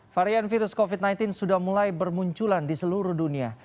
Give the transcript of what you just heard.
varian virus covid sembilan belas sudah mulai bermunculan di seluruh dunia